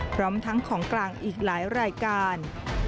พร้อมทั้งของกลางอีกหลายรายการ